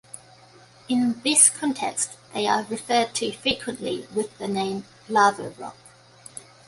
In this context, they are referred to frequently with the name "lava rock".